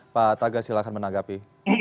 pak taga silahkan menanggapi